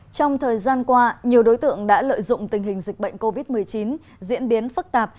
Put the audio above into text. trong thời gian qua nhiều đối tượng đã lợi dụng tình hình dịch bệnh covid một mươi chín diễn biến phức tạp